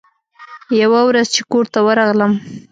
يوه ورځ چې کور ته ورغلم.